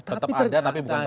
tetap ada tapi bukan